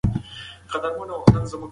دی په خپل کور کې د مسافر په څېر و.